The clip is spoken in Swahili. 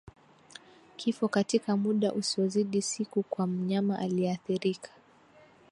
Kifo katika muda usiozidi siku kwa mnyama aliyeathirika